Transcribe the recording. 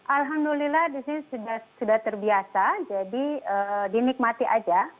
alhamdulillah di sini sudah terbiasa jadi dinikmati aja